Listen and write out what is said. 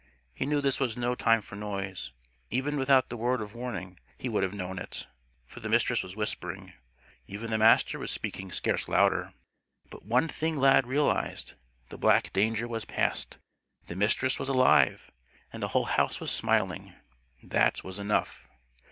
He knew this was no time for noise. Even without the word of warning, he would have known it. For the Mistress was whispering. Even the Master was speaking scarce louder. But one thing Lad realized: the black danger was past. The Mistress was alive! And the whole house was smiling. That was enough.